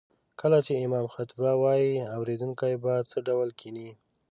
کله چې امام خطبه وايي اوريدونکي به څه ډول کيني